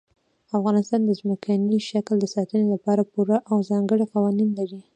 افغانستان د ځمکني شکل د ساتنې لپاره پوره او ځانګړي قوانین لري.